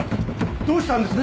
どうしたんです